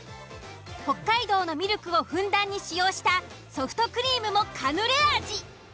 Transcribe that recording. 北海道のミルクをふんだんに使用したソフトクリームもカヌレ味。